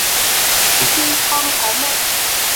Khi con có mẹ